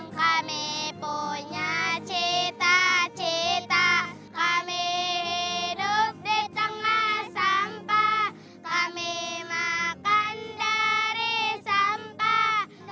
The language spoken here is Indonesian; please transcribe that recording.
kami punya cita cita kami hidup di tengah sampah kami makan dari sampah